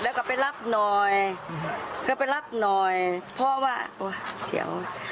แล้วก็ไปรับหน่อยก็ไปรับหน่อยเพราะว่าโอ้ยเสียว